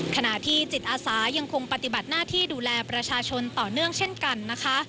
ขณะที่จิตอาสายังคงปฏิบัติหน้าที่ดูแลประชาชนต่อเนื่องเช่นกันนะคะ